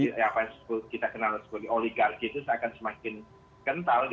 sehingga kita kenalkan sebagai oligarki itu akan semakin kental bisa ketahui